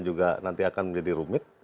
juga nanti akan menjadi rumit